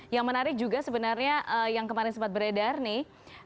yang menarik juga sebenarnya yang kemarin sempat beredar nih